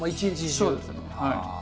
そうですねはい。